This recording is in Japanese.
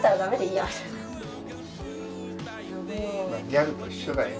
ギャルと一緒だよ